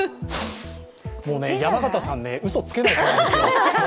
山形さん、うそつけないからね。